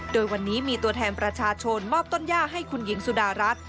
โดยวันนี้มีตัวแทนประชาชนมอบต้นย่าให้คุณหญิงสุดารัฐ